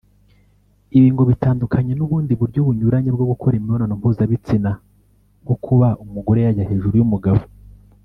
Ibi ngo bitandukanye n’ubundi buryo bunyuranye bwo gukora imibonano mpuzabitsina; nko kuba umugore yajya hejuru y’umugabo